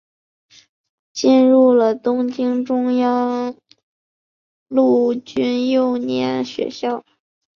并进入了东京中央陆军幼年学校。